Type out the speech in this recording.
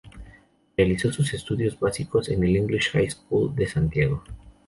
Realizó sus estudios básicos en el English High School de Santiago.